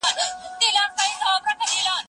زه ليکلي پاڼي نه ترتيب کوم!.